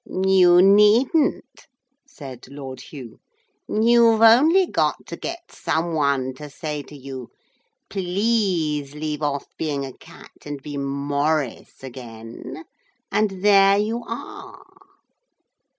'You needn't,' said Lord Hugh. 'You've only got to get some one to say to you, "Please leave off being a cat and be Maurice again," and there you are.'